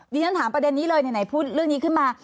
ฉันถามประเด็นนี้เลยไหนพูดเรื่องนี้ขึ้นมา